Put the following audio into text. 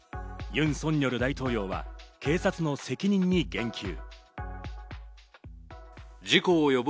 ユン・ソンニョル大統領は警察の責任に言及。